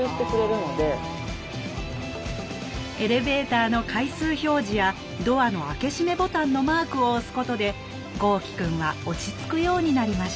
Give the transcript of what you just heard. エレベーターの階数表示やドアの開け閉めボタンのマークを押すことで豪輝くんは落ち着くようになりました